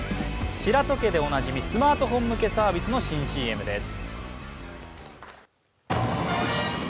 白戸家でおなじみ、スマートフォン向けサービスの新ＣＭです。